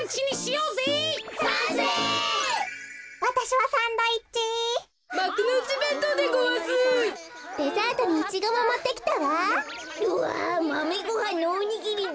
うわマメごはんのおにぎりだ。